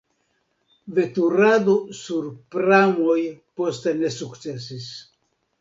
Veturado sur pramoj poste ne sukcesis.